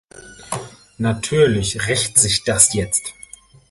Natürlich rächt sich das jetzt.